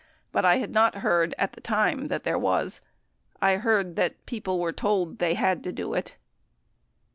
But I had not heard at the time that there was. ... I heard that people were told they had to do it.